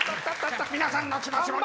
皆さんの気持ちもね。